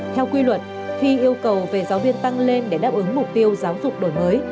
theo quy luật khi yêu cầu về giáo viên tăng lên để đáp ứng mục tiêu giáo dục đổi mới